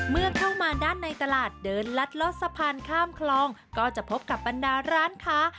เมื่อเข้ามาด้านในตลาดเดินลัดลอดสะพานข้ามคลองก็จะพบกับบรรดาร้านค้า